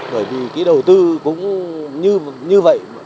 bởi vì cái đầu tư cũng như vậy